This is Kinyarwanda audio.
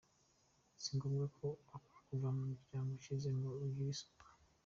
Si ngombwa ko uba uva mu muryango ukize ngo ugire isuku.